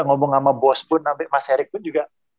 ngomong sama bos pun ampe mas herik pun juga